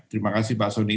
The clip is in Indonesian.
terima kasih pak soni